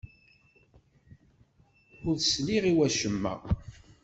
Ur sliɣ i wacemma.